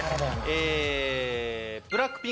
え。